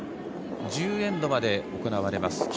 １０エンドまで行われます。